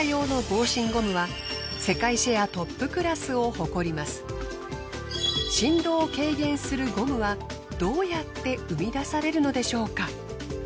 例えば。住友理工の主力製品の振動を軽減するゴムはどうやって生み出されるのでしょうか？